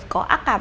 có ác cảm